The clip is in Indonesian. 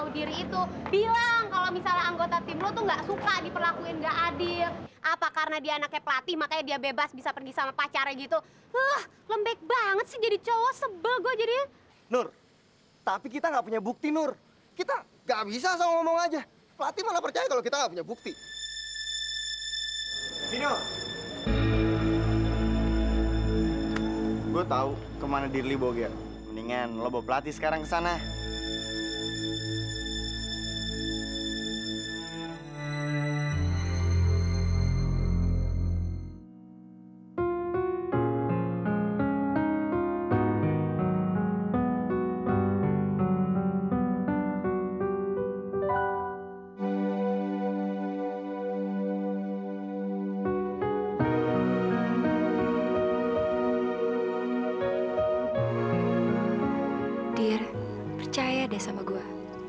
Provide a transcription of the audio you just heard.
dear percaya deh sama gue